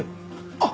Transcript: あっ！